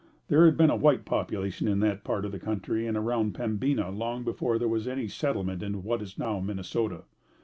There had been a white population in that part of the country and around Pembina long before there was any settlement in what is now Minnesota.